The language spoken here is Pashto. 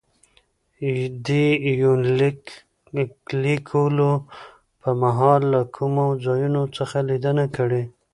دې يونليک ليکلو په مهال له کومو ځايونو څخه ليدنه کړې